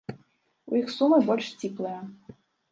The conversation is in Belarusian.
У іх сумы больш сціплыя.